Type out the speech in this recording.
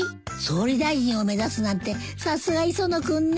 総理大臣を目指すなんてさすが磯野君ね！